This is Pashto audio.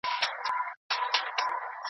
کور خوندي چاپېريال ته اړتیا لري.